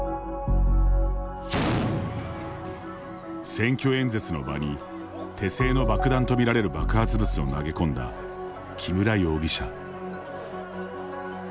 選挙演説の場に手製の爆弾とみられる爆発物を投げ込んだ木村容疑者。